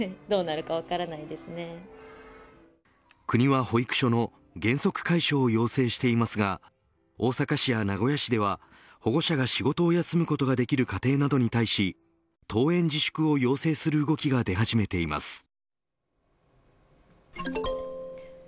国は、保育所の原則開所を要請していますが大阪市や名古屋市では保護者が仕事を休むことができる家庭などに対し登園自粛を要請する動きが出始めています